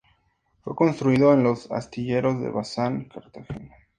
Fue construido en los astilleros de Bazán, Cartagena.